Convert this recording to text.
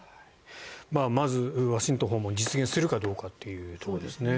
まずワシントン訪問実現するかどうかですね。